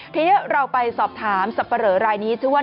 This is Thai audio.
ทีนี้เราไปสอบถามสับปะเหลอรายนี้ชื่อว่า